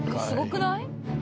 すごくない？